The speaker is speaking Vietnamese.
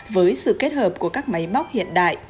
với sự kết hợp của các máy móc hiện đại